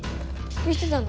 見てたの？